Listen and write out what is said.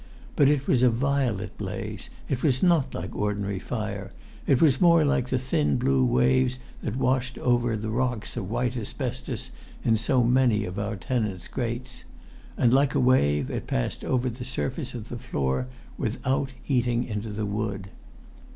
But it was a violet blaze. It was not like ordinary fire. It was more like the thin blue waves that washed over the rocks of white asbestos in so many of our tenants' grates. And like a wave it passed over the surface of the floor, without eating into the wood.